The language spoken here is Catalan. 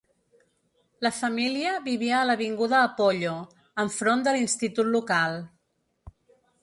La família vivia a l'avinguda Apollo, enfront de l'institut local.